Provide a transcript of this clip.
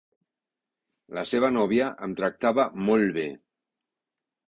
La seva nòvia em tractava molt bé.